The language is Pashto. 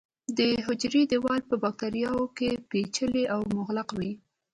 د حجروي دیوال په باکتریاوو کې پېچلی او مغلق وي.